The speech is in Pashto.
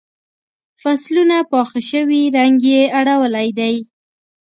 فصلونه پاخه شوي رنګ یې اړولی دی.